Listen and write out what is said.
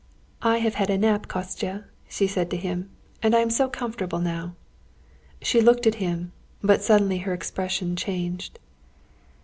"I have had a nap, Kostya!" she said to him; "and I am so comfortable now." She looked at him, but suddenly her expression changed.